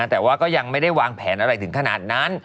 แต่ว่าก็ยังไม่ได้วางแผนอะไรถึงขนาดนั้น